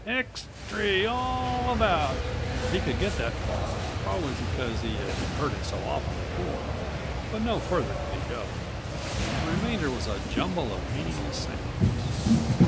"Ex tree! All about—" He could get that far, probably because he had heard it so often before, but no further could he go. The remainder was a jumble of meaningless sounds.